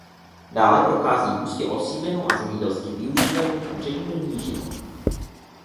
Dále prochází hustě osídlenou a zemědělsky využívanou pobřežní nížinou.